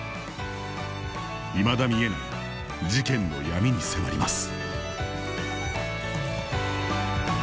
いまだ見えない事件の闇に迫ります。